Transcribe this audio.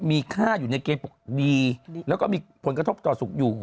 มีค่าอยู่ในเกณฑ์ปกติแล้วก็มีผลกระทบต่อสุขอยู่